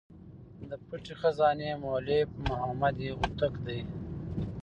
د پټي خزانې مؤلف محمد هوتک دﺉ.